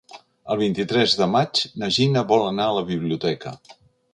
El vint-i-tres de maig na Gina vol anar a la biblioteca.